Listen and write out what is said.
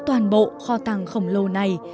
toàn bộ kho tàng khổng lồ này